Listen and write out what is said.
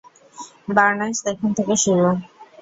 Burners এখন থেকে শুরু।